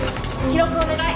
記録お願い。